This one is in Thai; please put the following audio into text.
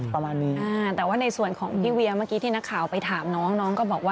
พี่อยากให้เห็นต้นมาว่าแบบนั้นค่ะค่ะ